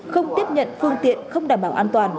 không tiếp nhận phương tiện không đảm bảo an toàn